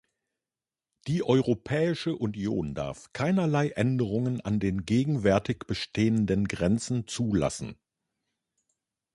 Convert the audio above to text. Die Europäische Union darf keinerlei Änderungen an den gegenwärtig bestehenden Grenzen zulassen.